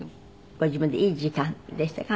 ご自分でいい時間でしたか？